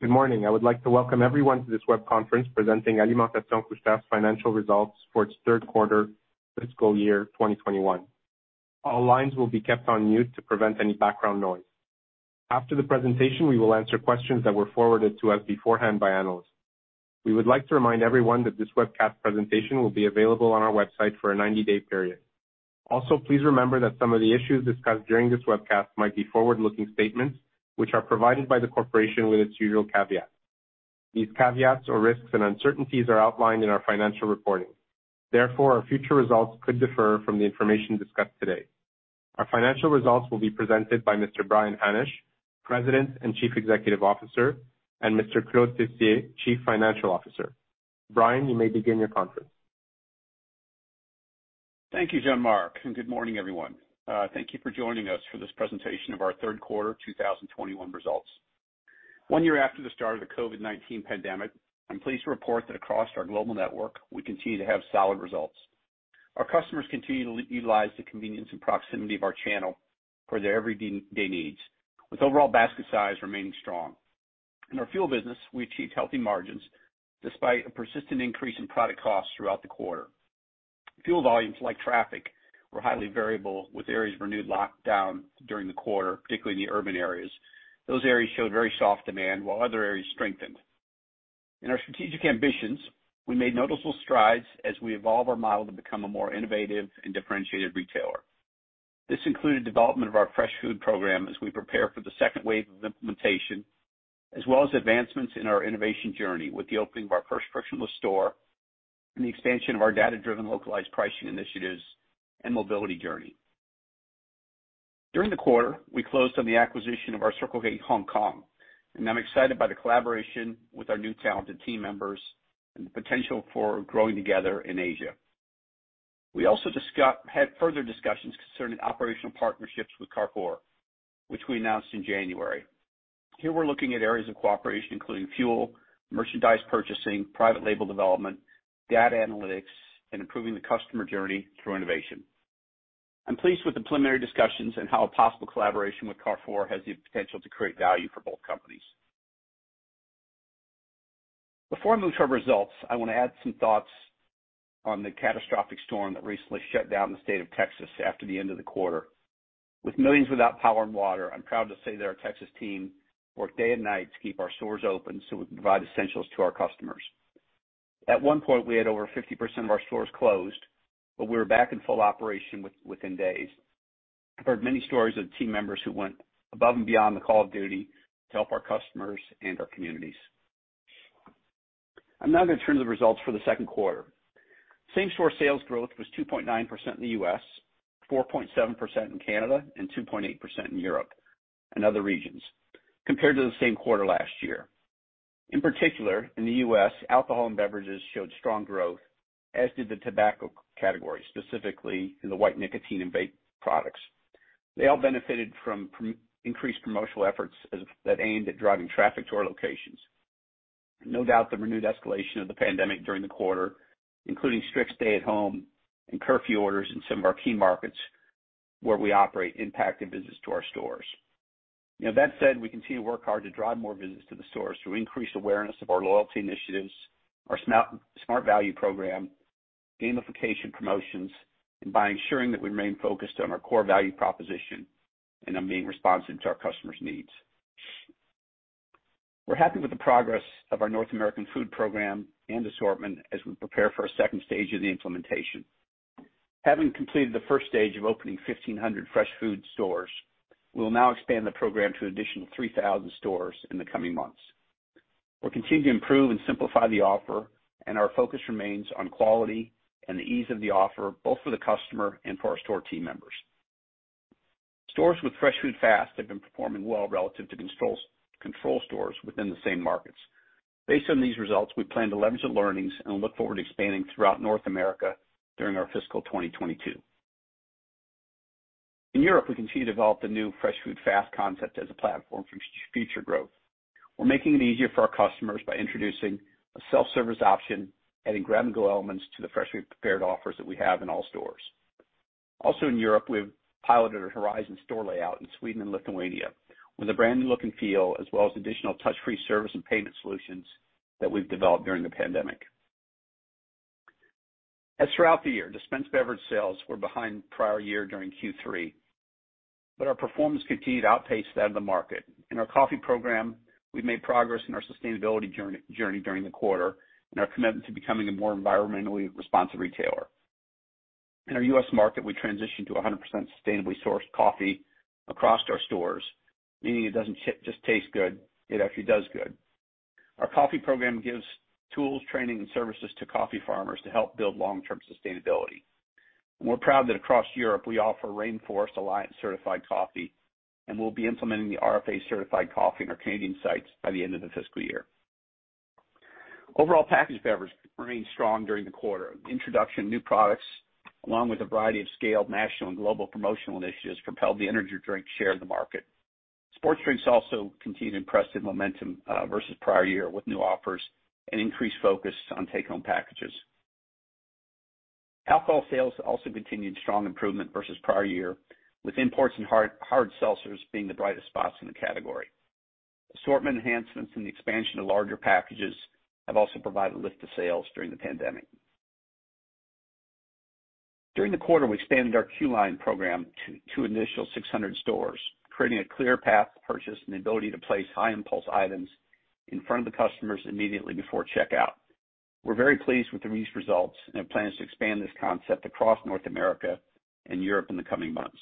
Good morning. I would like to welcome everyone to this web conference presenting Alimentation Couche-Tard's financial results for its third quarter of fiscal year 2021. All lines will be kept on mute to prevent any background noise. After the presentation, we will answer questions that were forwarded to us beforehand by analysts. We would like to remind everyone that this webcast presentation will be available on our website for a 90-day period. Also, please remember that some of the issues discussed during this webcast might be forward-looking statements, which are provided by the Corporation with its usual caveats. These caveats or risks and uncertainties are outlined in our financial reporting. Therefore, our future results could differ from the information discussed today. Our financial results will be presented by Mr. Brian Hannasch, President and Chief Executive Officer, and Mr. Claude Tessier, Chief Financial Officer. Brian, you may begin your conference. Thank you, Jean Marc, and good morning, everyone. Thank you for joining us for this presentation of our third quarter 2021 results. One year after the start of the COVID-19 pandemic, I'm pleased to report that across our global network, we continue to have solid results. Our customers continue to utilize the convenience and proximity of our channel for their everyday needs, with overall basket size remaining strong. In our fuel business, we achieved healthy margins despite a persistent increase in product costs throughout the quarter. Fuel volumes, like traffic, were highly variable, with areas experiencing renewed lockdown during the quarter, particularly in the urban areas. Those areas showed very soft demand, while other areas strengthened. In our strategic ambitions, we made noticeable strides as we evolve our model to become a more innovative and differentiated retailer. This included development of our Fresh Food Fast as we prepare for the second wave of implementation, as well as advancements in our innovation journey with the opening of our first frictionless store and the expansion of our data-driven localized pricing initiatives and mobility journey. During the quarter, we closed on the acquisition of our Circle K Hong Kong, and I'm excited by the collaboration with our new talented team members and the potential for growing together in Asia. We also had further discussions concerning operational partnerships with Carrefour, which we announced in January. Here we're looking at areas of cooperation, including fuel, merchandise purchasing, private label development, data analytics, and improving the customer journey through innovation. I'm pleased with the preliminary discussions and how a possible collaboration with Carrefour has the potential to create value for both companies. Before I move to our results, I want to add some thoughts on the catastrophic storm that recently shut down the state of Texas after the end of the quarter. With millions without power and water, I'm proud to say that our Texas team worked day and night to keep our stores open so we can provide essentials to our customers. At one point, we had over 50% of our stores closed, but we were back in full operation within days. I've heard many stories of team members who went above and beyond the call of duty to help our customers and our communities. Now, gonna turn to the results for the second quarter. Same-store sales growth was 2.9% in the U.S., 4.7% in Canada, and 2.8% in Europe and other regions compared to the same quarter last year. In particular, in the U.S., alcohol and beverages showed strong growth, as did the tobacco category, specifically in the white nicotine and vape products. They all benefited from increased promotional efforts that aimed at driving traffic to our locations. No doubt, the renewed escalation of the pandemic during the quarter, including strict stay-at-home and curfew orders in some of our key markets where we operate, impacted visits to our stores. That said, we continue to work hard to drive more visits to the stores through increased awareness of our loyalty initiatives, our Smart Value program, gamification promotions, and by ensuring that we remain focused on our core value proposition and on being responsive to our customers' needs. We're happy with the progress of our North American food program and assortment as we prepare for a second stage of the implementation. Having completed the first stage of opening 1,500 fresh food stores, we'll now expand the program to an additional 3,000 stores in the coming months. We'll continue to improve and simplify the offer, and our focus remains on quality and the ease of the offer, both for the customer and for our store team members. Stores with Fresh Food Fast have been performing well relative to control stores within the same markets. Based on these results, we plan to leverage the learnings and look forward to expanding throughout North America during our fiscal 2022. In Europe, we continue to develop the new Fresh Food Fast concept as a platform for future growth. We're making it easier for our customers by introducing a self-service option, adding grab-and-go elements to the fresh food prepared offers that we have in all stores. In Europe, we've piloted a Horizon store layout in Sweden and Lithuania, with a brand new look and feel, as well as additional touch-free service and payment solutions that we've developed during the pandemic. As throughout the year, dispense beverage sales were behind the prior year during Q3, but our performance continued to outpace that of the market. In our coffee program, we've made progress in our sustainability journey during the quarter, and our commitment to becoming a more environmentally responsive retailer. In our U.S. market, we transitioned to 100% sustainably sourced coffee across our stores, meaning it doesn't just taste good, it actually does good. Our coffee program gives tools, training, and services to coffee farmers to help build long-term sustainability. We're proud that across Europe, we offer Rainforest Alliance-certified coffee, and we'll be implementing the RFA-certified coffee in our Canadian sites by the end of the fiscal year. Overall, packaged beverages remained strong during the quarter. Introduction of new products, along with a variety of scaled national and global promotional initiatives, propelled the energy drink share of the market. Sports drinks also continued impressive momentum versus the prior year, with new offers and increased focus on take-home packages. Alcohol sales also continued to improve greatly versus the prior year, with imports and hard seltzers being the brightest spots in the category. Assortment enhancements and the expansion of larger packages have also provided a lift to sales during the pandemic. During the quarter, we expanded our Q Line program to an initial 600 stores, creating a clear path to purchase and the ability to place high-impulse items in front of the customers immediately before checkout. We're very pleased with the recent results and have plans to expand this concept across North America and Europe in the coming months.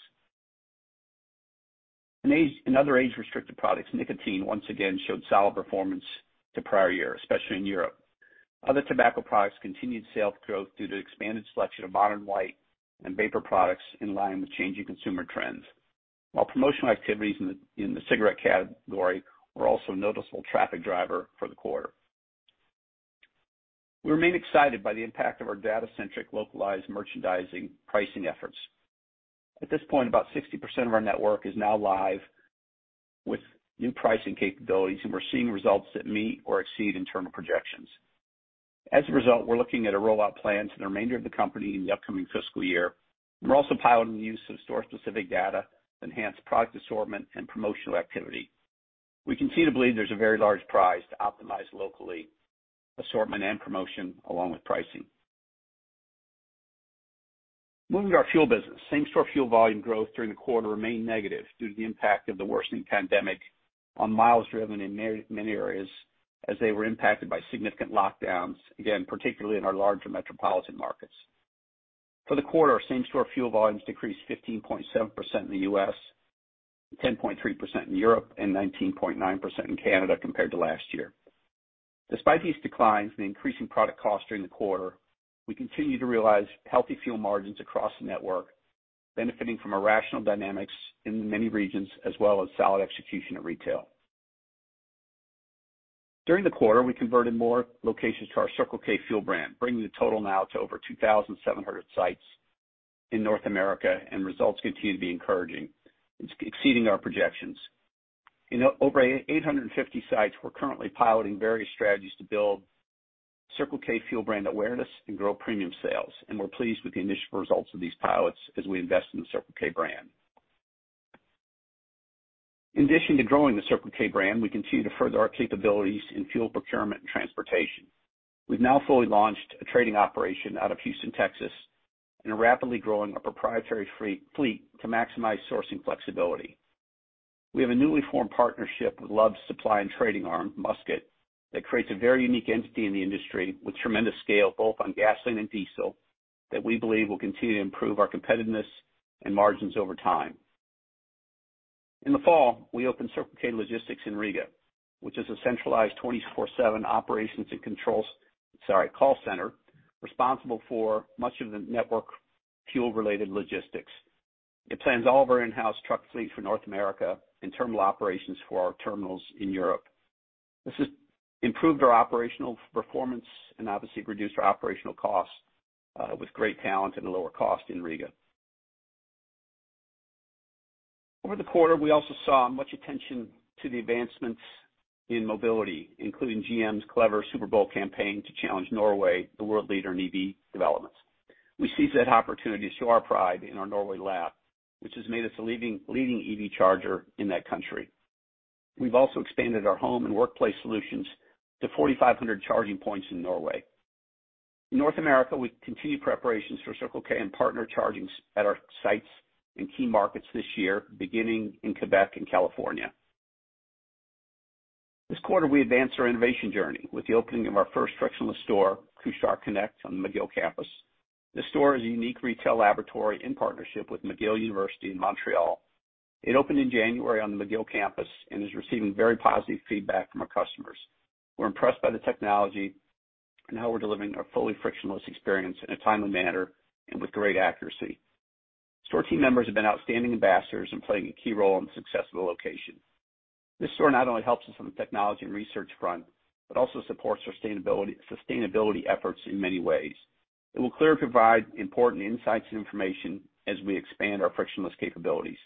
In other age-restricted products, nicotine once again showed solid performance compared to the prior year, especially in Europe. Other tobacco products continued sales growth due to the expanded selection of modern white and vapor products in line with changing consumer trends. Promotional activities in the cigarette category were also a noticeable traffic driver for the quarter. We remain excited by the impact of our data-centric, localized merchandising pricing efforts. At this point, about 60% of our network is now live with new pricing capabilities, and we're seeing results that meet or exceed internal projections. As a result, we're looking at a rollout plan to the remainder of the company in the upcoming fiscal year. We're also piloting the use of store-specific data to enhance product assortment and promotional activity. We continue to believe there's a very large prize to optimize locally, assortment and promotion, along with pricing. Moving to our fuel business. Same-store fuel volume growth during the quarter remained negative due to the impact of the worsening COVID-19 pandemic on miles driven in many areas, as they were impacted by significant lockdowns, particularly in our larger metropolitan markets. For the quarter, same-store fuel volumes decreased 15.7% in the U.S., 10.3% in Europe, and 19.9% in Canada compared to last year. Despite these declines and the increasing product cost during the quarter, we continue to realize healthy fuel margins across the network, benefiting from rational dynamics in many regions, as well as solid execution at retail. During the quarter, we converted more locations to our Circle K fuel brand, bringing the total now to over 2,700 sites in North America, and results continue to be encouraging, exceeding our projections. In over 850 sites, we're currently piloting various strategies to build Circle K fuel brand awareness and grow premium sales, and we're pleased with the initial results of these pilots as we invest in the Circle K brand. In addition to growing the Circle K brand, we continue to further our capabilities in fuel procurement and transportation. We've now fully launched a trading operation out of Houston, Texas, and are rapidly growing our proprietary fleet to maximize sourcing flexibility. We have a newly formed partnership with Love's supply and trading arm, Musket, that creates a very unique entity in the industry with tremendous scale, both on gasoline and diesel, that we believe will continue to improve our competitiveness and margins over time. In the fall, we opened Circle K Logistics in Riga, which is a centralized 24/7 operations and controls, sorry, call center responsible for much of the network fuel-related logistics. It plans all of our in-house truck fleet for North America and terminal operations for our terminals in Europe. This has improved our operational performance and obviously reduced our operational costs with great talent and a lower cost in Riga. Over the quarter, we also saw much attention to the advancements in mobility, including GM's clever Super Bowl campaign to challenge Norway, the world leader in EV developments. We seized that opportunity to show our pride in our Norway lab, which has made us a leading EV charger in that country. We've also expanded our home and workplace solutions to 4,500 charging points in Norway. In North America, we continue preparations for Circle K and partner charging at our sites in key markets this year, beginning in Quebec and California. This quarter, we advanced our innovation journey with the opening of our first frictionless store, Couche-Tard Connect on the McGill campus. This store is a unique retail laboratory in partnership with McGill University in Montreal. It opened in January on the McGill campus and is receiving very positive feedback from our customers, who are impressed by the technology and how we're delivering a fully frictionless experience in a timely manner and with great accuracy. Store team members have been outstanding ambassadors and have played a key role in the success of the location. This store not only helps us on the technology and research front, but also supports sustainability efforts in many ways. It will clearly provide important insights and information as we expand our frictionless capabilities.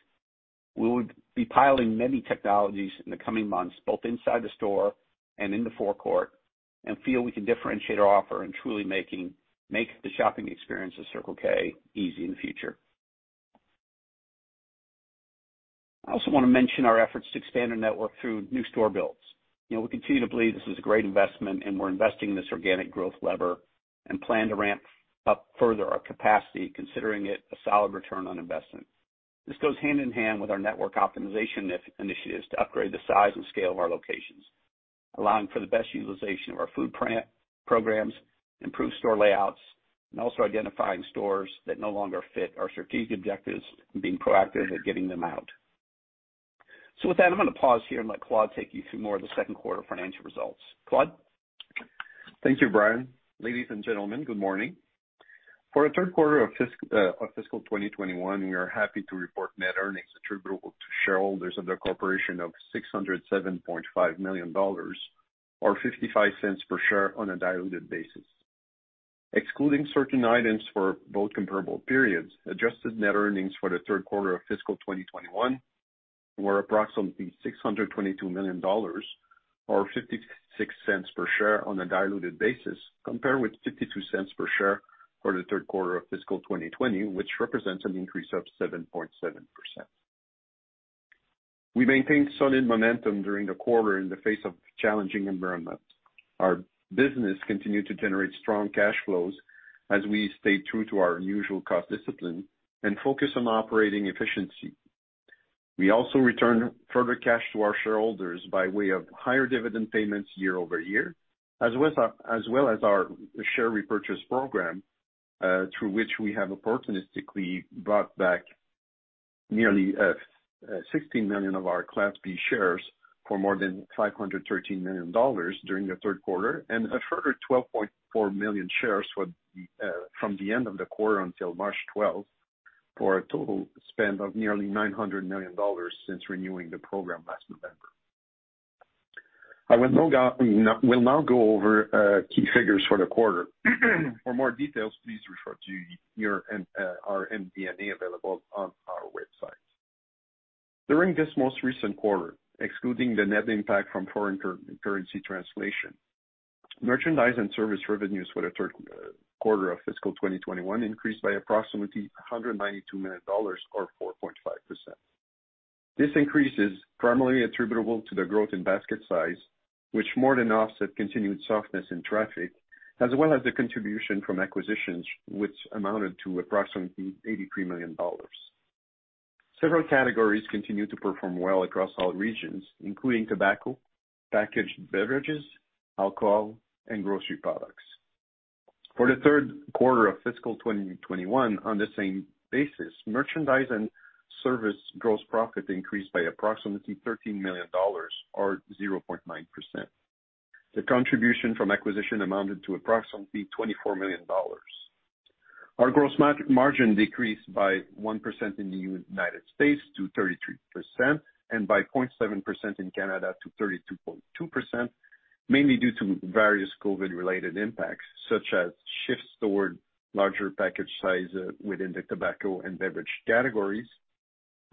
We will be piloting many technologies in the coming months, both inside the store and in the forecourt, and feel we can differentiate our offer by truly making the shopping experience at Circle K easy in the future. I also want to mention our efforts to expand our network through new store builds. We continue to believe this is a great investment, and we're investing in this organic growth lever and plan to ramp up further our capacity, considering it a solid return on investment. This goes hand in hand with our network optimization initiatives to upgrade the size and scale of our locations, allowing for the best utilization of our food programs, improved store layouts, and also identifying stores that no longer fit our strategic objectives and being proactive at getting them out. With that, I'm going to pause here and let Claude take you through more of the second-quarter financial results. Claude? Thank you, Brian. Ladies and gentlemen, good morning. For the third quarter of fiscal 2021, we are happy to report net earnings attributable to shareholders of the corporation of 607.5 million dollars, or 0.55 per share on a diluted basis. Excluding certain items for both comparable periods, adjusted net earnings for the third quarter of fiscal 2021 were approximately 622 million dollars, or 0.56 per share on a diluted basis, compared with 0.52 per share for the third quarter of fiscal 2020, which represents an increase of 7.7%. We maintained solid momentum during the quarter in the face of a challenging environment. Our business continued to generate strong cash flows as we stayed true to our usual cost discipline and focused on operating efficiency. We also returned further cash to our shareholders by way of higher dividend payments year-over-year, as well as our share repurchase program, through which we have opportunistically bought back nearly 16 million of our Class B shares for more than 513 million dollars during the third quarter, and a further 12.4 million shares from the end of the quarter until March 12th, for a total spend of nearly 900 million dollars since renewing the program last November. I will now go over key figures for the quarter. For more details, please refer to our MD&A available on our website. During this most recent quarter, excluding the net impact from foreign currency translation, merchandise and service revenues for the third quarter of fiscal 2021 increased by approximately CAD 192 million, or 4.5%. This increase is primarily attributable to the growth in basket size, which more than offset continued softness in traffic, as well as the contribution from acquisitions, which amounted to approximately 83 million dollars. Several categories continued to perform well across all regions, including tobacco, packaged beverages, alcohol, and grocery products. For the third quarter of fiscal 2021, on the same basis, merchandise and service gross profit increased by approximately 13 million dollars, or 0.9%. The contribution from the acquisition amounted to approximately 24 million dollars. Our gross margin decreased by 1% in the U.S. to 33%, and by 0.7% in Canada to 32.2%, mainly due to various COVID-19-related impacts, such as shifts toward larger package size within the tobacco and beverage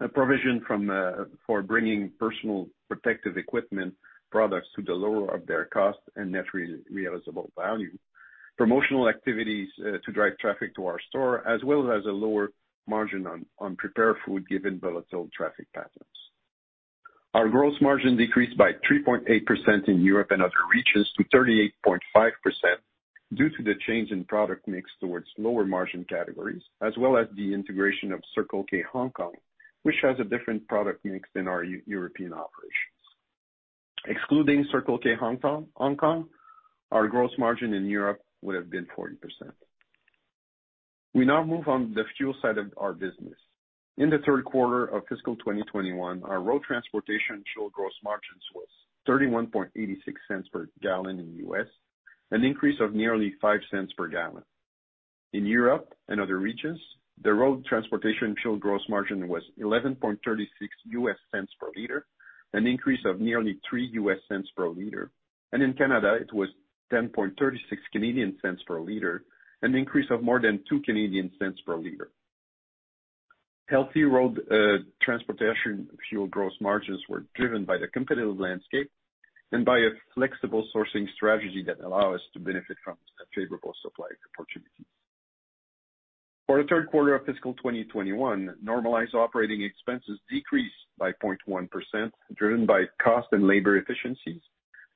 categories, a provision for bringing personal protective equipment products to the lower of their cost and net realizable value, promotional activities to drive traffic to our store, as well as a lower margin on prepared food, given volatile traffic patterns. Our gross margin decreased by 3.8% in Europe and other regions to 38.5% due to the change in product mix towards lower margin categories, as well as the integration of Circle K Hong Kong, which has a different product mix than our European operations. Excluding Circle K Hong Kong, our gross margin in Europe would've been 40%. We now move on to the fuel side of our business. In the third quarter of fiscal 2021, our road transportation fuel gross margins were $0.3186 per gallon in the U.S., an increase of nearly $0.05 per gallon. In Europe and other regions, the road transportation fuel gross margin was $0.1136 per liter, an increase of nearly $0.03 per liter. In Canada, it was 0.1036 per liter, an increase of more than 0.02 per liter. Healthy road transportation fuel gross margins were driven by the competitive landscape and by a flexible sourcing strategy that allows us to benefit from favorable supply opportunities. For the third quarter of fiscal 2021, normalized operating expenses decreased by 0.1%, driven by cost and labor efficiencies,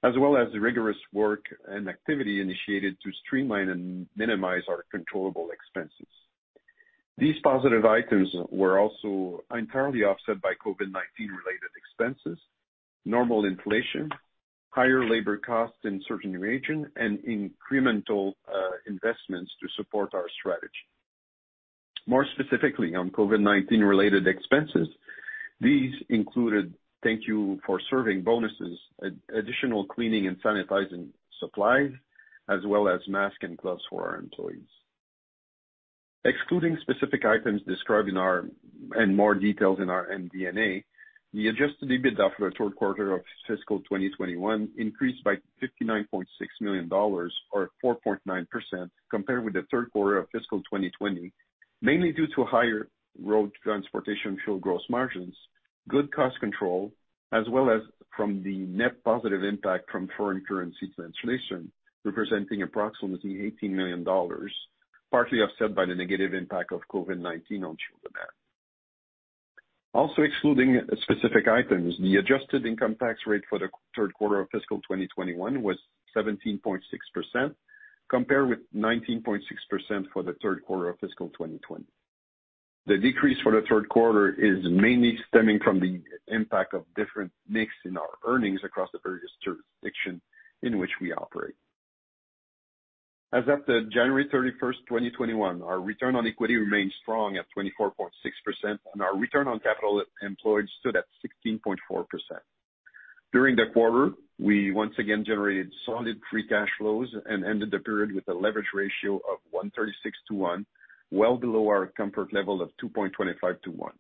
as well as the rigorous work and activity initiated to streamline and minimize our controllable expenses. These positive items were also entirely offset by COVID-19-related expenses, normal inflation, higher labor costs in certain regions, and incremental investments to support our strategy. More specifically, on COVID-19 related expenses, these included Thank You for Serving bonuses, additional cleaning and sanitizing supplies, as well as masks and gloves for our employees. Excluding specific items described in more details in our MD&A, the Adjusted EBITDA for the third quarter of fiscal 2021 increased by 59.6 million dollars, or 4.9%, compared with the third quarter of fiscal 2020, mainly due to higher road transportation fuel gross margins, good cost control, as well as from the net positive impact from foreign currency translation, representing approximately 18 million dollars, partly offset by the negative impact of COVID-19 on fuel demand. Excluding specific items, the adjusted income tax rate for the third quarter of fiscal 2021 was 17.6%, compared with 19.6% for the third quarter of fiscal 2020. The decrease for the third quarter is mainly stemming from the impact of a different mix in our earnings across the various jurisdictions in which we operate. As of January 31st, 2021, our return on equity remains strong at 24.6%, and our return on capital employed stood at 16.4%. During the quarter, we once again generated solid free cash flows and ended the period with a leverage ratio of 1.36:1, well below our comfort level of 2.25:1.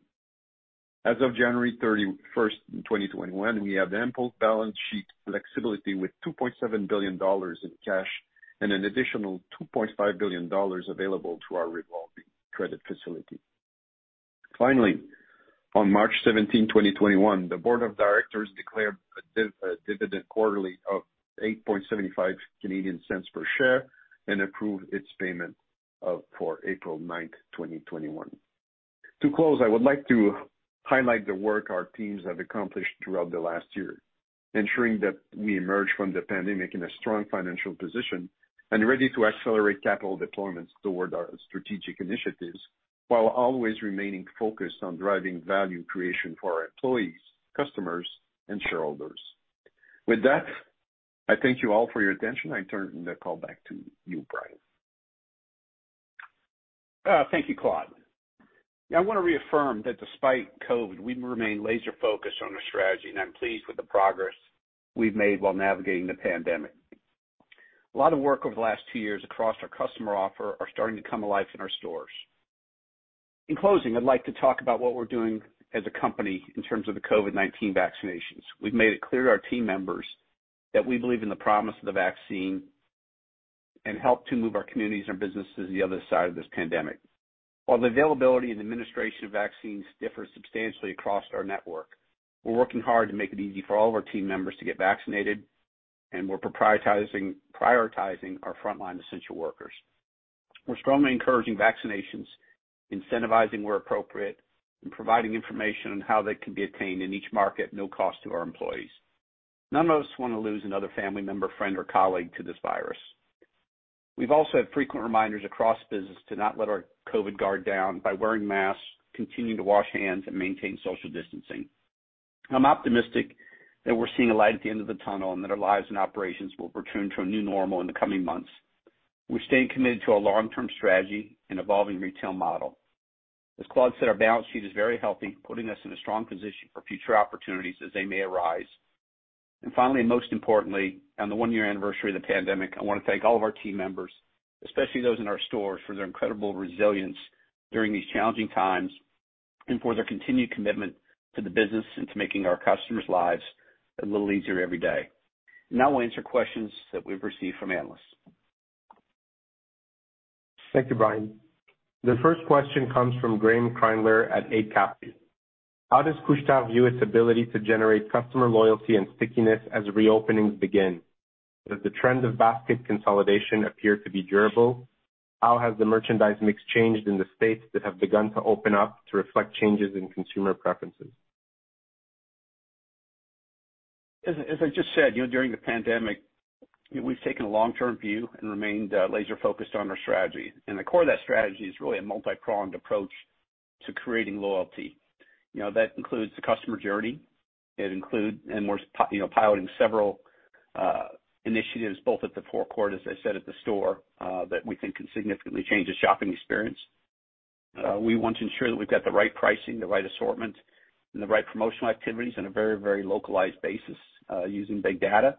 As of January 31st, 2021, we have ample balance sheet flexibility with 2.7 billion dollars in cash and an additional 2.5 billion dollars available through our revolving credit facility. Finally, on March 17, 2021, the board of directors declared a quarterly dividend of CAD 0.0875 per share and approved its payment for April 9th, 2021. To close, I would like to highlight the work our teams have accomplished throughout the last year, ensuring that we emerge from the pandemic in a strong financial position and ready to accelerate capital deployments toward our strategic initiatives, while always remaining focused on driving value creation for our employees, customers, and shareholders. With that, I thank you all for your attention. I turn the call back to you, Brian. Thank you, Claude. I want to reaffirm that despite COVID, we've remained laser-focused on our strategy, and I'm pleased with the progress we've made while navigating the pandemic. A lot of work over the last two years across our customer offer is starting to come alive in our stores. In closing, I'd like to talk about what we're doing as a company in terms of the COVID-19 vaccinations. We've made it clear to our team members that we believe in the promise of the vaccine and help to move our communities and our businesses to the other side of this pandemic. While the availability and administration of vaccines differ substantially across our network, we're working hard to make it easy for all of our team members to get vaccinated, and we're prioritizing our frontline essential workers. We're strongly encouraging vaccinations, incentivizing where appropriate, and providing information on how they can be obtained in each market at no cost to our employees. None of us wants to lose another family member, friend, or colleague to this virus. We've also had frequent reminders across the business to not let our COVID guard down by wearing masks, continuing to wash hands, and maintaining social distancing. I'm optimistic that we're seeing a light at the end of the tunnel and that our lives and operations will return to a new normal in the coming months. We're staying committed to our long-term strategy and evolving retail model. As Claude said, our balance sheet is very healthy, putting us in a strong position for future opportunities as they may arise. Finally, most importantly, on the one-year anniversary of the pandemic, I want to thank all of our team members, especially those in our stores, for their incredible resilience during these challenging times and for their continued commitment to the business and to making our customers' lives a little easier every day. Now we'll answer questions that we've received from analysts. Thank you, Brian. The first question comes from Graeme Kreindler at Eight Capital. How does Couche-Tard view its ability to generate customer loyalty and stickiness as reopenings begin? Does the trend of basket consolidation appear to be durable? How has the merchandise mix changed in the states that have begun to open up to reflect changes in consumer preferences? As I just said, during the pandemic, we've taken a long-term view and remained laser-focused on our strategy. The core of that strategy is really a multi-pronged approach to creating loyalty. That includes the customer journey. We're piloting several initiatives, both at the forecourt, as I said, and at the store, that we think can significantly change the shopping experience. We want to ensure that we've got the right pricing, the right assortment, and the right promotional activities on a very localized basis using big data.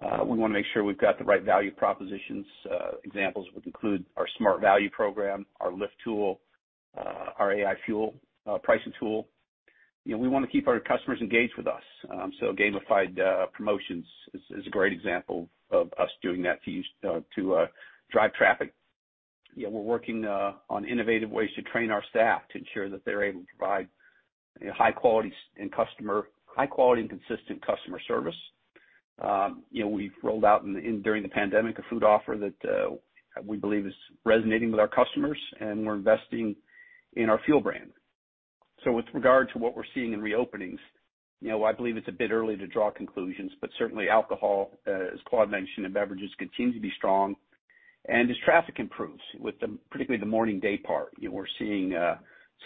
We want to make sure we've got the right value propositions. Examples would include our Smart Value program, our LIFT tool, and our AI fuel pricing tool. We want to keep our customers engaged with us. Gamified promotions are a great example of us doing that to drive traffic. We're working on innovative ways to train our staff to ensure that they're able to provide high-quality and consistent customer service. We've rolled out during the pandemic a food offer that we believe is resonating with our customers, and we're investing in our fuel brand. With regard to what we're seeing in reopenings, I believe it's a bit early to draw conclusions, but certainly alcohol, as Claude mentioned, and beverages continue to be strong. As traffic improves, particularly in the morning, we're seeing a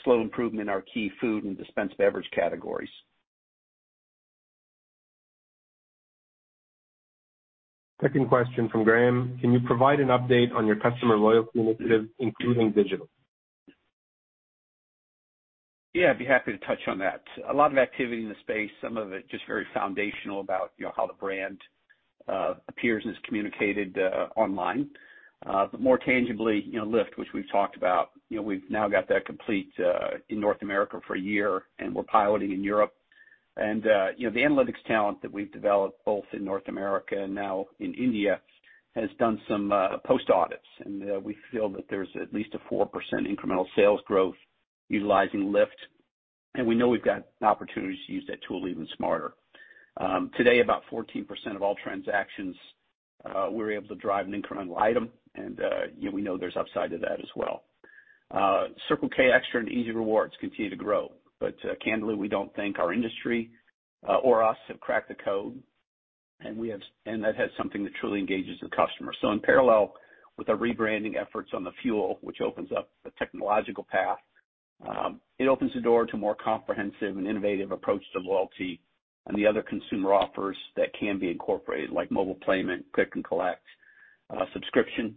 slow improvement in our key food and dispense beverage categories. Second question from Graeme. Can you provide an update on your customer loyalty initiative, including digital? I'd be happy to touch on that. A lot of activity in the space, some of it just very foundational about how the brand appears and is communicated online. More tangibly, LIFT, which we've talked about, we've now got that complete in North America for a year, and we're piloting in Europe. The analytics talent that we've developed both in North America and now in India has done some post-audits, and we feel that there's at least a 4% incremental sales growth utilizing LIFT. We know we've got opportunities to use that tool even smarter. Today, about 14% of all transactions, we're able to drive an incremental item, and we know there's upside to that as well. Circle K Extra and Easy Rewards continue to grow. Candidly, we don't think our industry or we have cracked the code, and that has something that truly engages the customer. In parallel with our rebranding efforts on the fuel, which opens up a technological path, it opens the door to a more comprehensive and innovative approach to loyalty and the other consumer offers that can be incorporated, like mobile payment, click and collect, and subscription.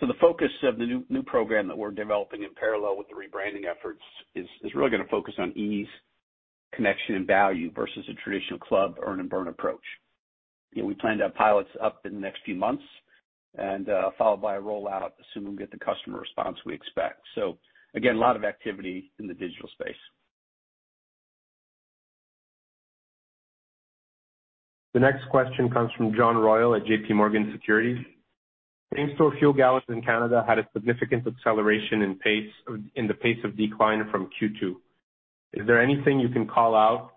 The focus of the new program that we're developing in parallel with the rebranding efforts is really gonna focus on ease, connection, and value versus a traditional club earn and burn approach. We plan to have pilots up in the next few months, followed by a rollout, assuming we get the customer response we expect. Again, a lot of activity in the digital space. The next question comes from John Royall at JPMorgan Securities. Same-store fuel gallons in Canada had a significant acceleration in the pace of decline from Q2. Is there anything you can call out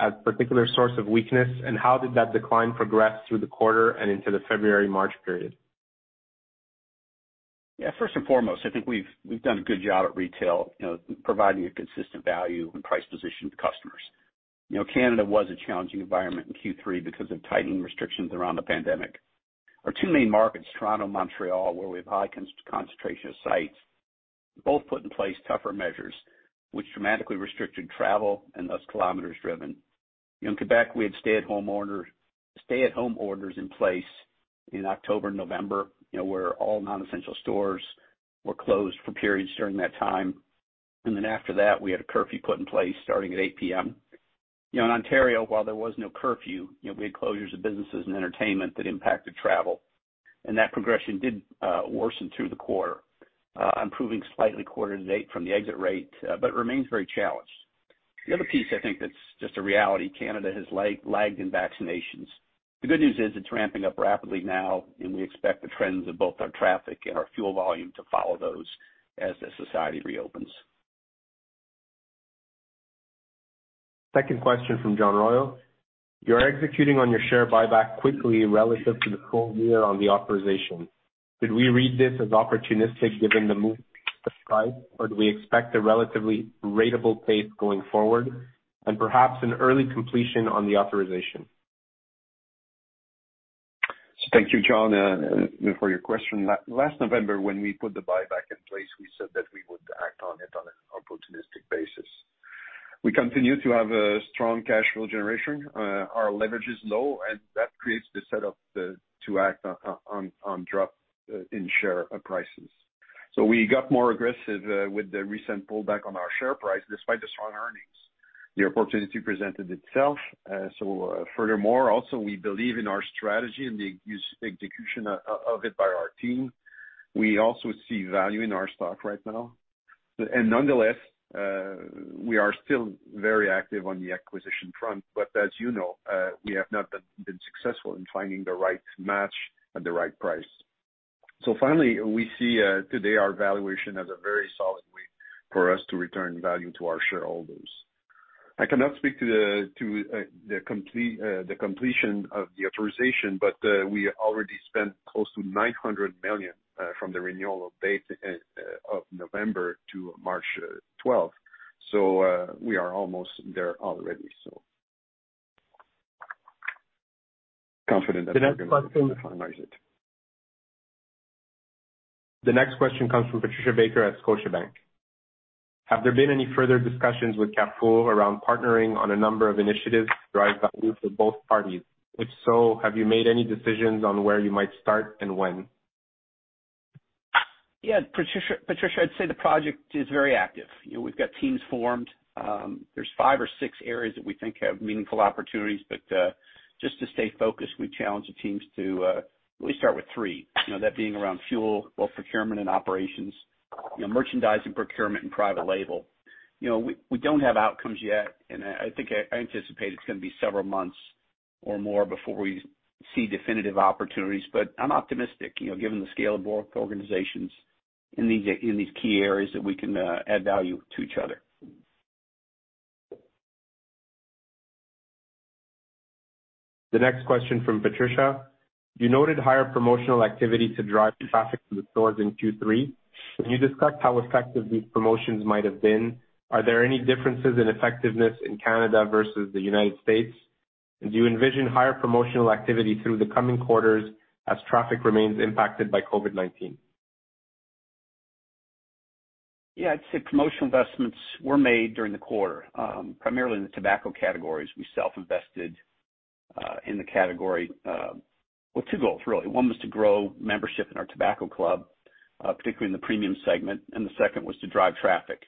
as a particular source of weakness, and how did that decline progress through the quarter and into the February-March period? Yeah. First and foremost, I think we've done a good job at retail, providing a consistent value and price position to customers. Canada was a challenging environment in Q3 because of tightening restrictions around the pandemic. Our two main markets, Toronto and Montreal, where we have a high concentration of sites, both put in place tougher measures, which dramatically restricted travel and thus kilometers driven. Then, after that, we had a curfew put in place starting at 8:00 P.M. In Quebec, we had stay-at-home orders in place in October and November, where all non-essential stores were closed for periods during that time. In Ontario, while there was no curfew, we had closures of businesses and entertainment that impacted travel. That progression did worsen through the quarter, improving slightly quarter to date from the exit rate, but remains very challenged. The other piece, I think, that's just a reality. Canada has lagged in vaccinations. The good news is it's ramping up rapidly now, and we expect the trends of both our traffic and our fuel volume to follow those as society reopens. Second question from John Royall. You're executing on your share buyback quickly relative to the full year on the authorization. Should we read this as opportunistic, given the move to price? Do we expect a relatively rateable pace going forward, and perhaps an early completion on the authorization? Thank you, John, for your question. Last November, when we put the buyback in place, we said that we would act on it on an opportunistic basis. We continue to have a strong cash flow generation. Our leverage is low, and that creates the setup to act on a drop in share prices. We got more aggressive with the recent pullback in our share price despite the strong earnings. The opportunity presented itself. Furthermore, also, we believe in our strategy and the execution of it by our team. We also see value in our stock right now. Nonetheless, we are still very active on the acquisition front, but as you know, we have not been successful in finding the right match at the right price. Finally, we see today our valuation as a very solid way for us to return value to our shareholders. I cannot speak to the completion of the authorization, we already spent close to 900 million from the renewal date of November to March 12th. We are almost there already. We are confident that we're going to finalize it. The next question comes from Patricia Baker at Scotiabank. Have there been any further discussions with Carrefour around partnering on a number of initiatives to drive value for both parties? If so, have you made any decisions on where you might start and when? Yeah, Patricia, I'd say the project is very active. We've got teams formed. There's five or six areas that we think have meaningful opportunities. Just to stay focused, we challenged the teams to at least start with three, that being around fuel, both procurement and operations, merchandising, procurement, and private label. We don't have outcomes yet. I anticipate it's gonna be several months or more before we see definitive opportunities. I'm optimistic, given the scale of both organizations in these key areas, that we can add value to each other. The next question from Patricia. You noted higher promotional activity to drive traffic to the stores in Q3. Can you discuss how effective these promotions might have been? Are there any differences in effectiveness in Canada versus the U.S.? Do you envision higher promotional activity through the coming quarters as traffic remains impacted by COVID-19? Yeah, I'd say promotional investments were made during the quarter, primarily in the tobacco categories. We self-invested in the category with two goals, really. One was to grow membership in our tobacco club, particularly in the premium segment, and the second was to drive traffic.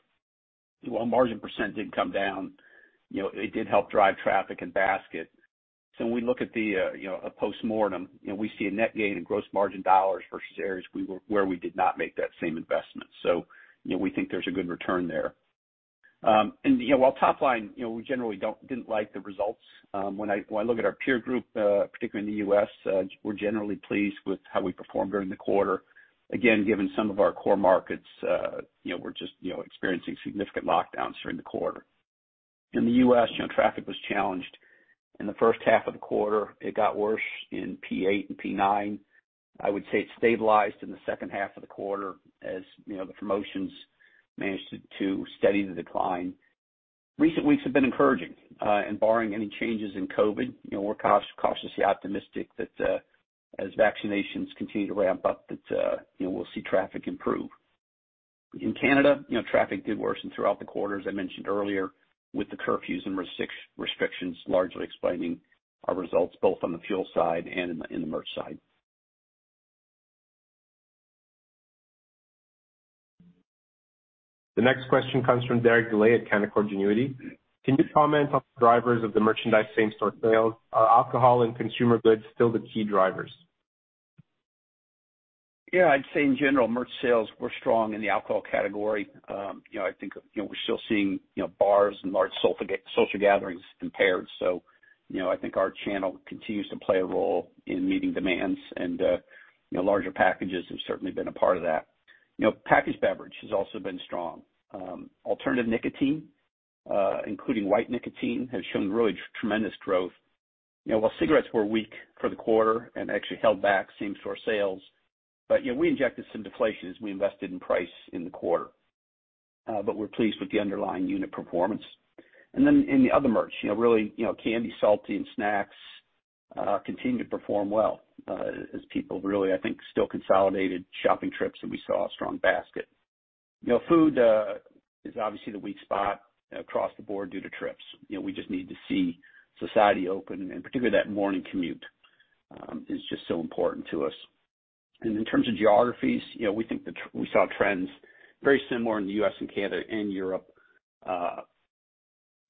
While the margin percent did come down, it did help drive traffic and basket. When we look at a postmortem, we see a net gain in gross margin dollars versus areas where we did not make that same investment. We think there's a good return there. While the top-line, we generally didn't like the results. When I look at our peer group, particularly in the U.S., we're generally pleased with how we performed during the quarter. Again, some of our core markets were just experiencing significant lockdowns during the quarter. In the U.S., traffic was challenged in the first half of the quarter. It got worse in P8 and P9. I would say it stabilized in the second half of the quarter as the promotions managed to steady the decline. Recent weeks have been encouraging; barring any changes in COVID-19, we're cautiously optimistic that, as vaccinations continue to ramp up, we'll see traffic improve. In Canada, traffic did worsen throughout the quarter, as I mentioned earlier, with the curfews and restrictions largely explaining our results both on the fuel side and in the merch side. The next question comes from Derek Dley at Canaccord Genuity. Can you comment on the drivers of the merchandise same-store sales? Are alcohol and consumer goods still the key drivers? Yeah, I'd say in general, merch sales were strong in the alcohol category. I think we're still seeing bars and large social gatherings impaired, so I think our channel continues to play a role in meeting demands, and larger packages have certainly been a part of that. Packaged beverages have also been strong. Alternative nicotine, including white nicotine, has shown tremendous growth. While cigarettes were weak for the quarter and actually held back same-store sales, we injected some deflation as we invested in price in the quarter. We're pleased with the underlying unit performance. In the other merch, really, candy, salty, and snacks continue to perform well as people, I think, still consolidate shopping trips, and we saw a strong basket. Food is obviously the weak spot across the board due to trips. We just need to see society open, and particularly that morning commute is just so important to us. In terms of geographies, we think that we saw trends very similar in the U.S., Canada, and Europe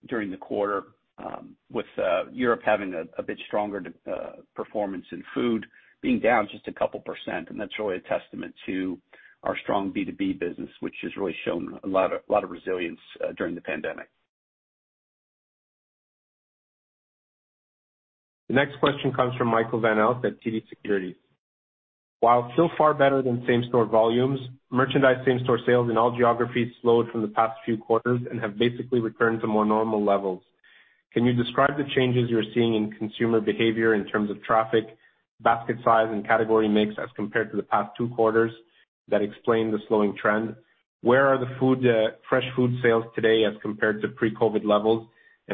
during the quarter, with Europe having a bit stronger performance in food, being down just a couple of percent. That's really a testament to our strong B2B business, which has really shown a lot of resilience during the pandemic. The next question comes from Michael Van Aelst at TD Securities. While still far better than same-store volumes, merchandise same-store sales in all geographies slowed from the past few quarters and have basically returned to more normal levels. Can you describe the changes you're seeing in consumer behavior in terms of traffic, basket size, and category mix as compared to the past two quarters that explain the slowing trend? Where are the fresh food sales today as compared to pre-COVID-19 levels?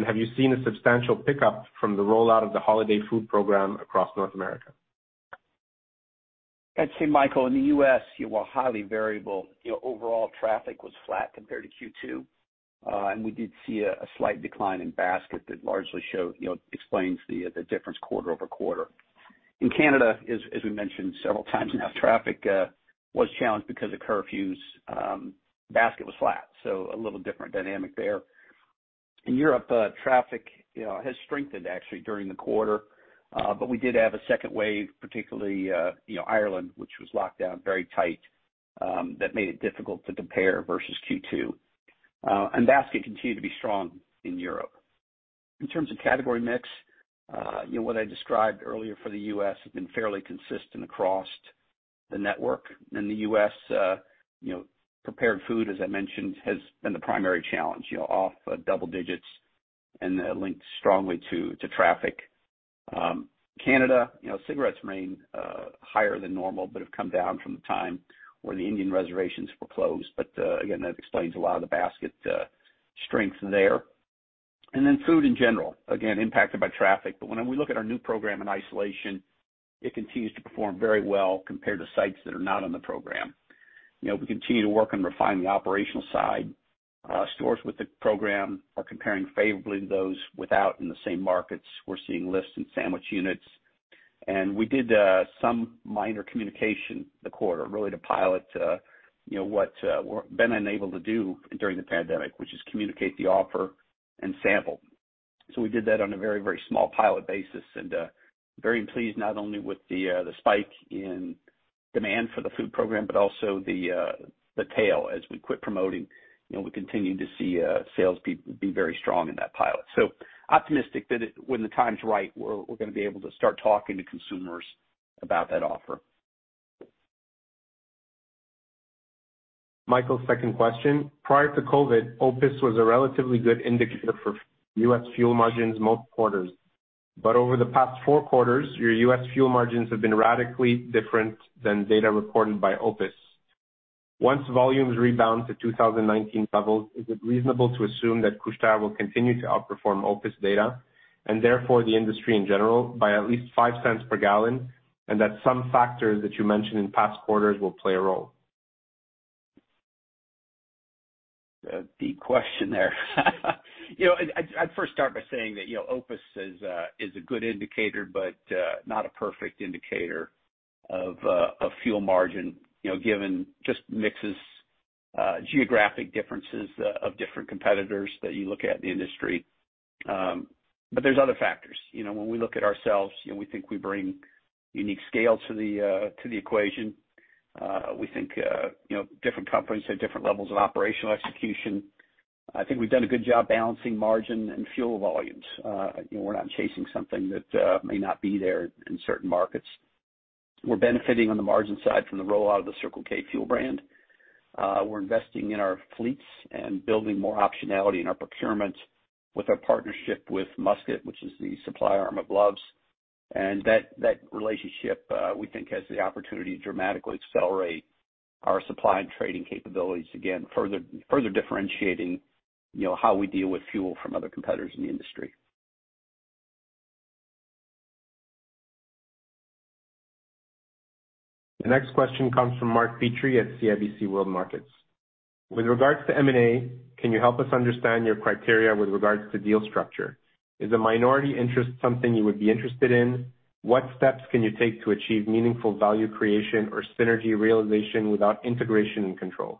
Have you seen a substantial pickup from the rollout of the holiday food program across North America? I'd say, Michael, in the U.S., while highly variable, overall traffic was flat compared to Q2. We did see a slight decline in the basket that largely explains the difference quarter-over-quarter. In Canada, as we mentioned several times now, traffic was challenged because of curfews. The basket was flat, so a little different dynamic there. In Europe, traffic has actually strengthened during the quarter. We did have a second wave, particularly in Ireland, which was locked down very tightly, which made it difficult to compare with Q2. Basket continued to be strong in Europe. In terms of category mix, what I described earlier for the U.S. has been fairly consistent across the network. In the U.S., prepared food, as I mentioned, has been the primary challenge, off double digits and linked strongly to traffic. In Canada, cigarettes remain higher than normal, but have come down from the time when the Indian reservations were closed. Again, that explains a lot of the basket strength there. Then, food in general, again, is impacted by traffic. When we look at our new program in isolation, it continues to perform very well compared to sites that are not in the program. We continue to work on refining the operational side. Stores with the program are comparing favorably to those without in the same markets. We're seeing lifts in sandwich units. We did some minor communication in the quarter, really to pilot what we've been unable to do during the pandemic, which is to communicate the offer and sample. We did that on a very small pilot basis and were very pleased not only with the spike in demand for the food program, but also the tail as we quit promoting. We continue to see sales be very strong in that pilot. Optimistic that when the time's right, we're going to be able to start talking to consumers about that offer. Michael's second question. Prior to COVID-19, OPIS was a relatively good indicator for U.S. fuel margins in most quarters. But over the past four quarters, your U.S. fuel margins have been radically different from the data reported by OPIS. Once volumes rebound to 2019 levels, is it reasonable to assume that Couche-Tard will continue to outperform OPIS data and therefore the industry in general by at least $0.05 per gallon, and that some factors that you mentioned in past quarters will play a role? A deep question there. I'd first start by saying that OPIS is a good indicator, but not a perfect indicator of fuel margin, given just mixes, geographic differences of different competitors that you look at in the industry. There's other factors. When we look at ourselves, we think we bring a unique scale to the equation. We think different companies have different levels of operational execution. I think we've done a good job balancing margin and fuel volumes. We're not chasing something that may not be there in certain markets. We're benefiting on the margin side from the rollout of the Circle K fuel brand. We're investing in our fleets and building more optionality in our procurement with our partnership with Musket, which is the supply arm of Love's. That relationship, we think, has the opportunity to dramatically accelerate our supply and trading capabilities, again, further differentiating how we deal with fuel from other competitors in the industry. The next question comes from Mark Petrie at CIBC World Markets. With regard to M&A, can you help us understand your criteria with regard to deal structure? Is a minority interest something you would be interested in? What steps can you take to achieve meaningful value creation or synergy realization without integration and control?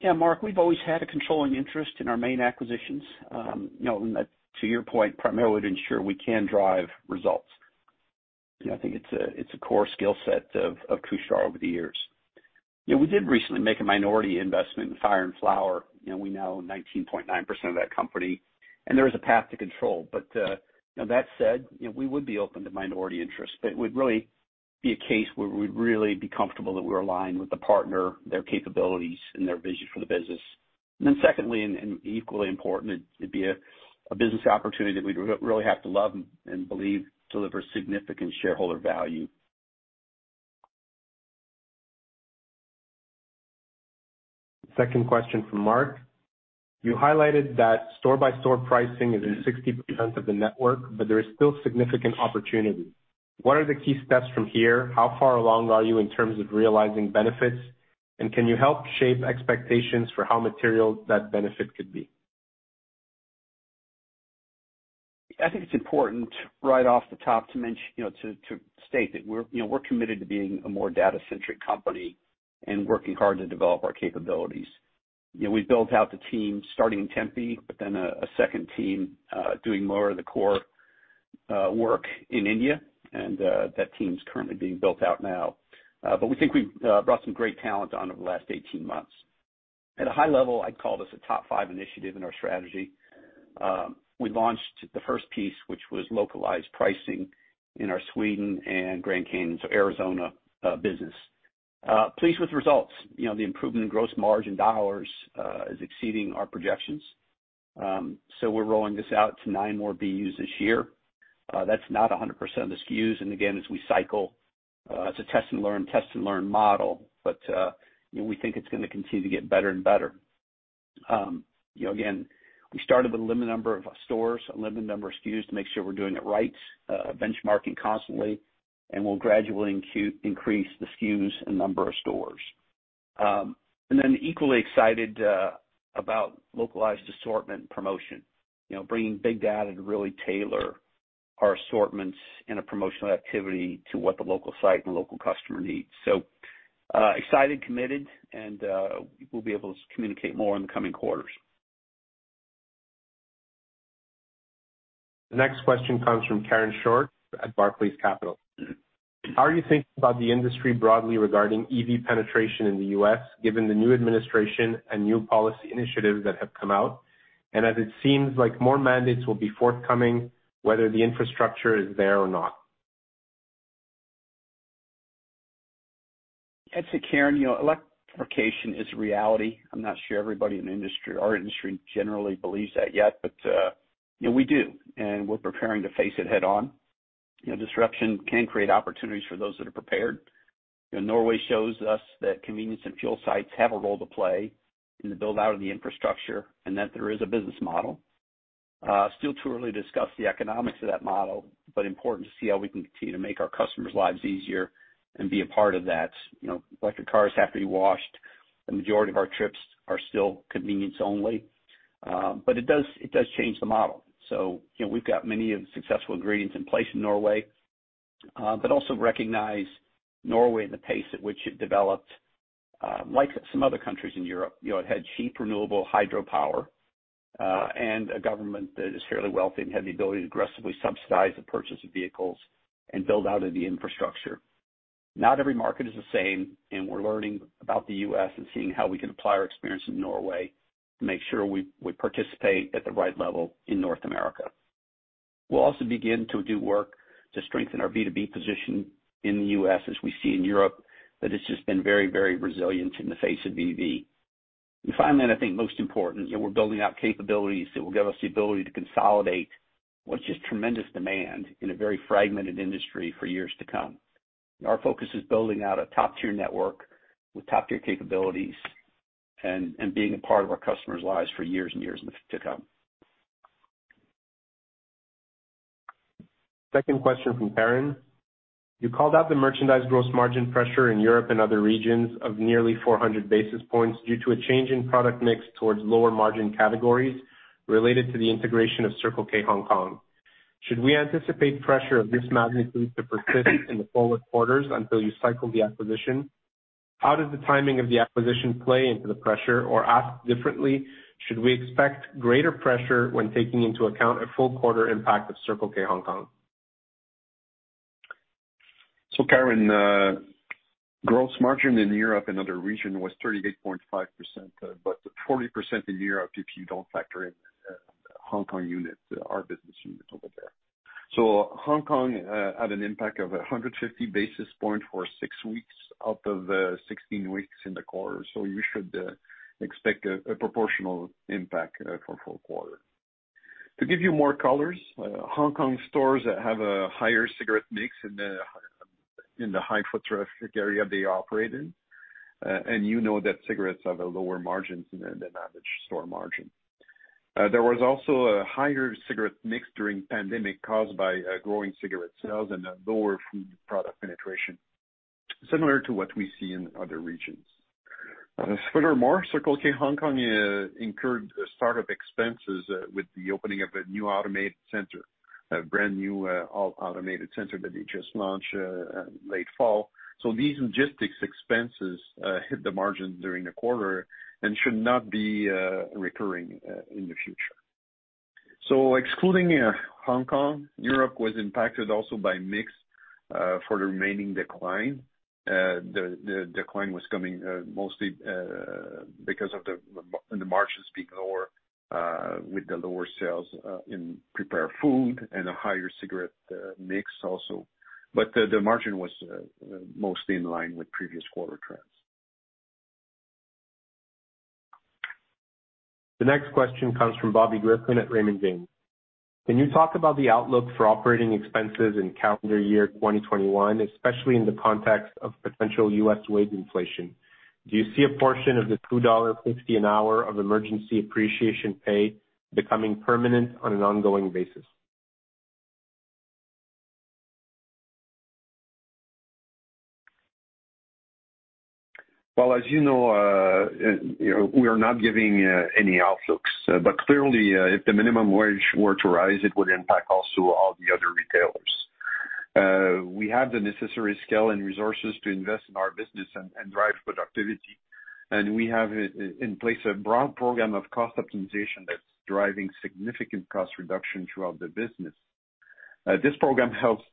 Yeah, Mark, we've always had a controlling interest in our main acquisitions. To your point, primarily to ensure we can drive results. I think it's a core skill set of Couche-Tard over the years. We recently made a minority investment in Fire & Flower. We now own 19.9% of that company. There is a path to control. That said, we would be open to minority interest, but it would really be a case where we'd be comfortable that we're aligned with the partner, their capabilities, and their vision for the business. Secondly, and equally important, it'd be a business opportunity that we'd really have to love and believe delivers significant shareholder value. Second question from Mark. You highlighted that store-by-store pricing is in 60% of the network, but there is still a significant opportunity. What are the key steps from here? How far along are you in terms of realizing benefits, and can you help shape expectations for what material that benefit could be? I think it's important right off the top to state that we're committed to being a more data-centric company and working hard to develop our capabilities. We built out the team starting in Tempe, but then a second team is doing more of the core work in India, and that team's currently being built out now. We think we've brought some great talent on over the last 18 months. At a high level, I'd call this a top-five initiative in our strategy. We launched the first piece, which was localized pricing in our Sweden and Grand Canyon, so the Arizona business. Pleased with the results. The improvement in gross margin dollars is exceeding our projections. We're rolling this out to nine more BUs this year. That's not 100% of the SKUs, and again, as we cycle, it's a test-and-learn model. We think it's going to continue to get better and better. Again, we started with a limited number of stores, a limited number of SKUs to make sure we're doing it right, benchmarking constantly, and we'll gradually increase the SKUs and number of stores. Equally excited about localized assortment promotion. Bringing big data to really tailor our assortments in a promotional activity to what the local site and the local customer need. Excited, committed, and we'll be able to communicate more in the coming quarters. The next question comes from Karen Short at Barclays Capital. How are you thinking about the industry broadly regarding EV penetration in the U.S., given the new administration and new policy initiatives that have come out? As it seems like more mandates will be forthcoming, whether the infrastructure is there or not. I'd say, Karen, electrification is reality. I'm not sure everybody in our industry generally believes that yet, but we do, and we're preparing to face it head-on. Disruption can create opportunities for those who are prepared. Norway shows us that convenience and fuel sites have a role to play in the build-out of the infrastructure, and that there is a business model. Still too early to discuss the economics of that model, but important to see how we can continue to make our customers' lives easier and be a part of that. Electric cars have to be washed. The majority of our trips are still convenience only. It does change the model. We've got many of the successful ingredients in place in Norway. Also recognize Norway and the pace at which it developed, like some other countries in Europe, it had cheap, renewable hydropower, and a government that is fairly wealthy and had the ability to aggressively subsidize the purchase of vehicles and build out the infrastructure. Not every market is the same, and we're learning about the U.S. and seeing how we can apply our experience in Norway to make sure we participate at the right level in North America. We'll also begin to do work to strengthen our B2B position in the U.S., as we see in Europe, that it's just been very resilient in the face of EV. Finally, and I think most importantly, we're building out capabilities that will give us the ability to consolidate what's just tremendous demand in a very fragmented industry for years to come. Our focus is on building out a top-tier network with top-tier capabilities and being a part of our customers' lives for years and years to come. Second question from Karen. You called out the merchandise gross margin pressure in Europe and other regions of nearly 400 basis points due to a change in product mix towards lower margin categories related to the integration of Circle K Hong Kong. Should we anticipate pressure of this magnitude to persist in the forward quarters until you cycle the acquisition? How does the timing of the acquisition play into the pressure, or, asked differently, should we expect greater pressure when taking into account a full quarter impact of Circle K Hong Kong? Karen, gross margin in Europe and other regions was 38.5%, but 40% in Europe if you don't factor in the Hong Kong unit, our business unit over there. Hong Kong had an impact of 150 basis points for six weeks out of the 16 weeks in the quarter. You should expect a proportional impact for the full quarter. To give you more color, Hong Kong stores have a higher cigarette mix in the high foot traffic area they operate. You know that cigarettes have a lower margin than the average store margin. There was also a higher cigarette mix during the pandemic caused by growing cigarette sales and a lower food product penetration, similar to what we see in other regions. Furthermore, Circle K Hong Kong incurred startup expenses with the opening of a new automated center. A brand new, all-automated center that they just launched late fall. These logistics expenses hit the margin during the quarter and should not be recurring in the future. Excluding Hong Kong, Europe was also impacted by a mix of the remaining decline. The decline was coming mostly because of the margins being lower with the lower sales in prepared food, and a higher cigarette mix also. The margin was mostly in line with previous quarter trends. The next question comes from Bobby Griffin at Raymond James. Can you talk about the outlook for operating expenses in calendar year 2021, especially in the context of potential U.S. wage inflation? Do you see a portion of the 2.50 dollar an hour of emergency appreciation pay becoming permanent on an ongoing basis? As you know, we are not giving any outlooks. Clearly, if the minimum wage were to rise, it would also impact all the other retailers. We have the necessary scale and resources to invest in our business and drive productivity, and we have in place a broad program of cost optimization that's driving significant cost reduction throughout the business. This program helps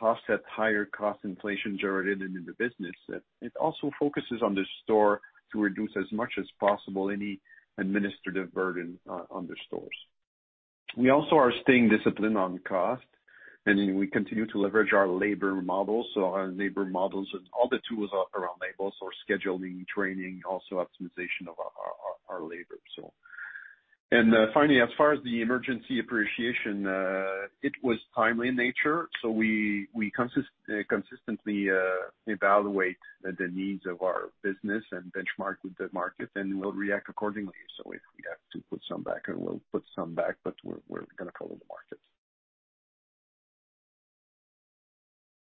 offset higher cost inflation generated in the business. It also focuses on the store to reduce as much as possible any administrative burden on the stores. We are also staying disciplined on cost, and we continue to leverage our labor models. Our labor models and all the tools around labor, such as scheduling, training, and optimization of labor. Finally, as far as the emergency appreciation, it was timely in nature. We consistently evaluate the needs of our business and benchmark with the market, and we'll react accordingly. If we have to put some back, we'll put some back, but we're going to follow the market.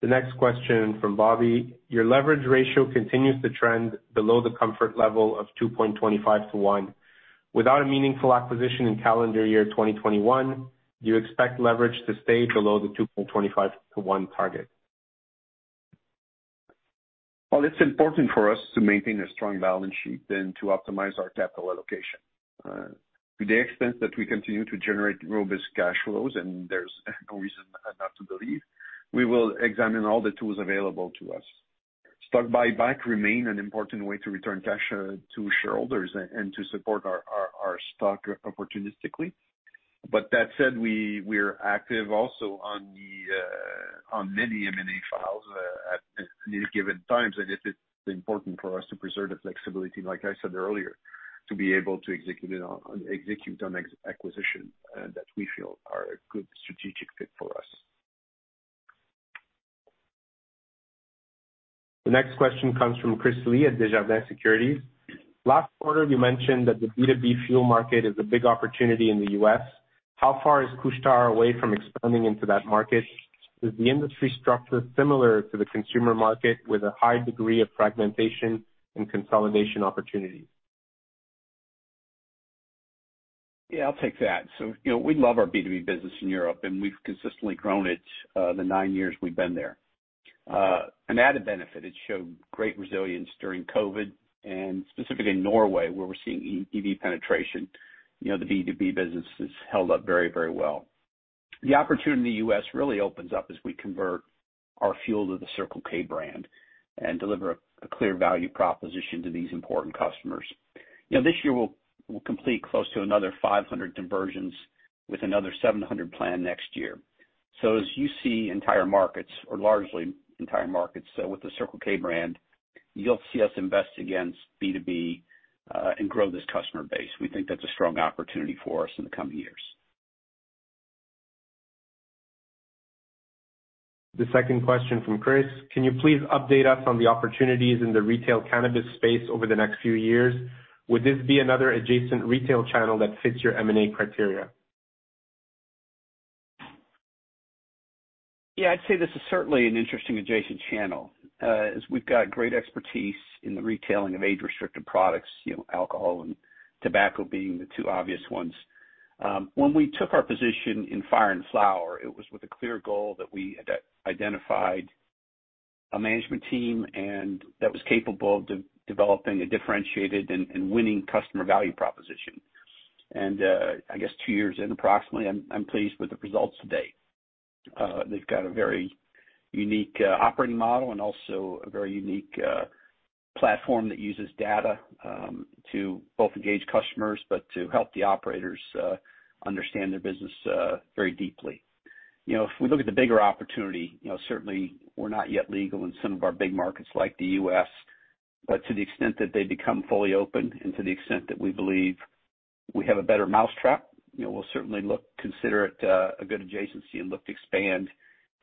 The next question from Bobby. Your leverage ratio continues to trend below the comfort level of 2.25:1. Without a meaningful acquisition in calendar year 2021, do you expect leverage to stay below the 2.25:1 target? Well, it's important for us to maintain a strong balance sheet and to optimize our capital allocation. To the extent that we continue to generate robust cash flows, and there's no reason not to believe, we will examine all the tools available to us. Stock buybacks remain an important way to return cash to shareholders and to support our stock opportunistically. That said, we're also active on many M&A files at any given time, and it is important for us to preserve the flexibility, like I said earlier, to be able to execute on acquisitions that we feel are a good strategic fit for us. The next question comes from Chris Li at Desjardins Securities. Last quarter, you mentioned that the B2B fuel market is a big opportunity in the U.S. How far is Couche-Tard away from expanding into that market? Is the industry structure similar to the consumer market, with a high degree of fragmentation and consolidation opportunities? Yeah, I'll take that. We love our B2B business in Europe, and we've consistently grown it in the nine years we've been there. An added benefit, it showed great resilience during COVID, and specifically in Norway, where we're seeing EV penetration. The B2B business has held up very well. The opportunity in the U.S. really opens up as we convert our fuel to the Circle K brand and deliver a clear value proposition to these important customers. This year, we'll complete close to another 500 conversions with another 700 planned next year. As you see, entire markets or largely entire markets with the Circle K brand, you'll see us invest in B2B, and grow this customer base. We think that's a strong opportunity for us in the coming years. The second question from Chris. Can you please update us on the opportunities in the retail cannabis space over the next few years? Would this be another adjacent retail channel that fits your M&A criteria? Yeah, I'd say this is certainly an interesting adjacent channel. We've got great expertise in the retailing of age-restricted products, alcohol and tobacco being the two obvious ones. When we took our position in Fire & Flower, it was with a clear goal that we identified a management team that was capable of developing a differentiated and winning customer value proposition. I guess two years in, approximately, I'm pleased with the results to date. They've got a very unique operating model and also a very unique platform that uses data to both engage customers, but also to help the operators understand their business very deeply. If we look at the bigger opportunity, certainly, we're not yet legal in some of our big markets like the U.S., but to the extent that they become fully open and to the extent that we believe we have a better mousetrap, we'll certainly consider it a good adjacency and look to expand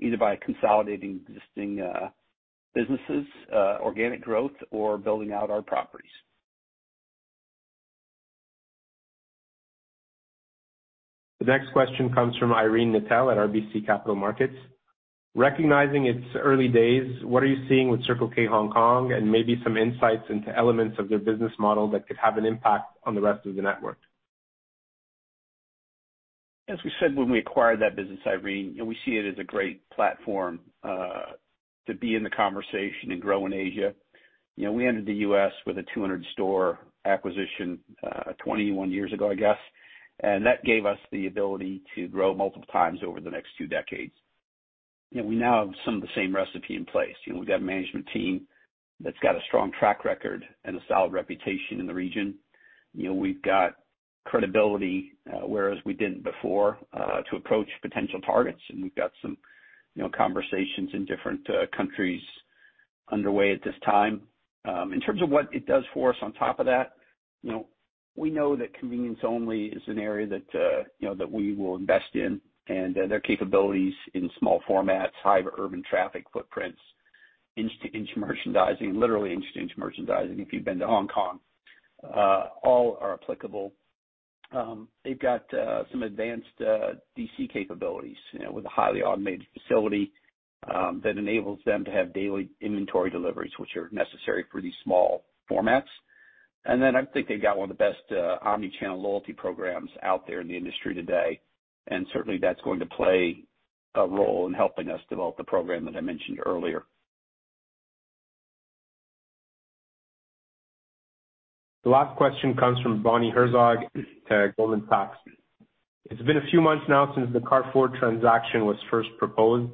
either by consolidating existing businesses, organic growth, or building out our properties. The next question comes from Irene Nattel at RBC Capital Markets. Recognizing its early days, what are you seeing with Circle K Hong Kong, and maybe some insights into elements of their business model that could have an impact on the rest of the network? As we said when we acquired that business, Irene, we see it as a great platform to be in the conversation and grow in Asia. We entered the U.S. with a 200-store acquisition 21 years ago, I guess. That gave us the ability to grow multiple times over the next two decades. We now have some of the same recipes in place. We've got a management team that's got a strong track record and a solid reputation in the region. We've got credibility, whereas we didn't before, to approach potential targets, and we've got some conversations in different countries underway at this time. In terms of what it does for us on top of that, we know that convenience only is an area that we will invest in, and their capabilities in small formats, high urban traffic footprints, inch-to-inch merchandising, literally inch-to-inch merchandising, if you've been to Hong Kong, all are applicable. They've got some advanced DC capabilities with a highly automated facility that enables them to have daily inventory deliveries, which are necessary for these small formats. I think they've got one of the best omnichannel loyalty programs out there in the industry today, and certainly that's going to play a role in helping us develop the program that I mentioned earlier. The last question comes from Bonnie Herzog at Goldman Sachs. It's been a few months now since the Carrefour transaction was first proposed.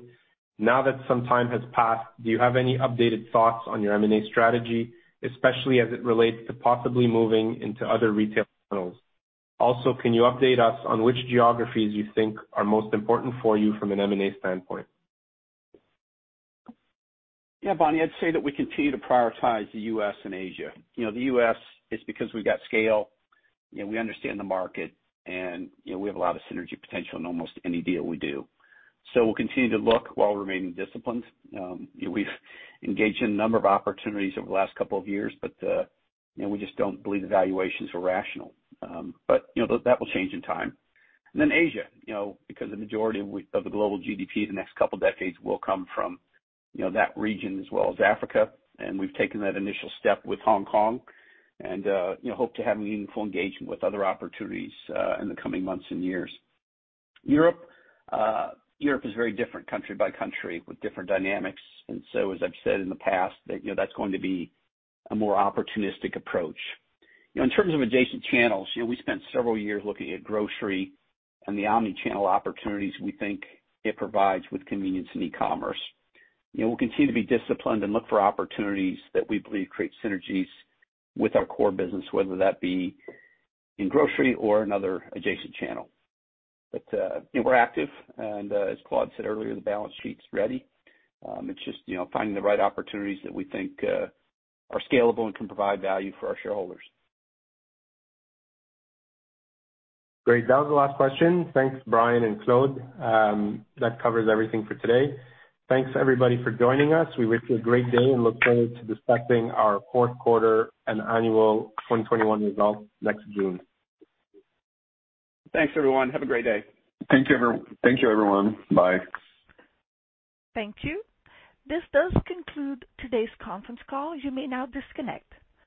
Now that some time has passed, do you have any updated thoughts on your M&A strategy, especially as it relates to possibly moving into other retail channels? Can you update us on which geographies you think are most important for you from an M&A standpoint? Yeah, Bonnie, I'd say that we continue to prioritize the U.S. and Asia. The U.S. is strong because we've got scale, we understand the market, and we have a lot of synergy potential in almost any deal we do. We'll continue to look while remaining disciplined. We've engaged in a number of opportunities over the last couple of years, but we just don't believe the valuations are rational. That will change in time. Asia, because the majority of the global GDP in the next couple of decades will come from that region, as well as Africa. We've taken that initial step with Hong Kong and hope to have meaningful engagement with other opportunities in the coming months and years. Europe is a very different country by country, with different dynamics. As I've said in the past, that's going to be a more opportunistic approach. In terms of adjacent channels, we spent several years looking at grocery and the omnichannel opportunities we think it provides with convenience and e-commerce. We'll continue to be disciplined and look for opportunities that we believe create synergies with our core business, whether that be in grocery or another adjacent channel. We're active, and as Claude said earlier, the balance sheet's ready. It's just finding the right opportunities that we think are scalable and can provide value for our shareholders. Great. That was the last question. Thanks, Brian and Claude. That covers everything for today. Thanks, everybody, for joining us. We wish you a great day and look forward to discussing our fourth quarter and annual 2021 results next June. Thanks, everyone. Have a great day. Thank you, everyone. Bye. Thank you. This does conclude today's conference call. You may now disconnect.